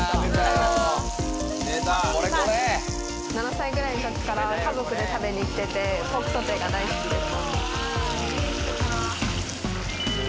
７歳くらいの時から家族で食べに来てて、ポークソテーが大好きです。